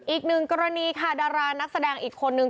อีกหนึ่งกรณีค่ะดารานักแสดงอีกคนนึง